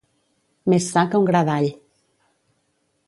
Més sa que un gra d'all.